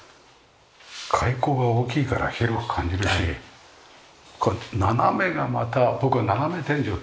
開口が大きいから広く感じるしこれ斜めがまた僕は斜め天井大好きでね。